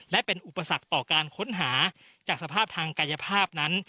และเป็นอุปสรรคต่อการค้นหาจากสภาพทางกายภาพนั้น